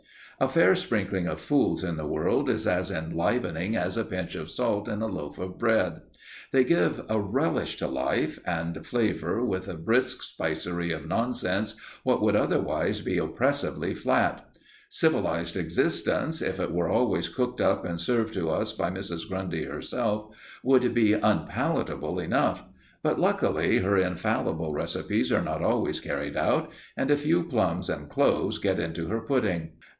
A fair sprinkling of fools in the world is as enlivening as a pinch of salt in a loaf of bread. They give a relish to life, and flavour with a brisk spicery of nonsense what would otherwise be oppressively flat. Civilized existence, if it were always cooked up and served to us by Mrs. Grundy herself, would be unpalatable enough; but luckily her infallible recipes are not always carried out, and a few plums and cloves get into her pudding.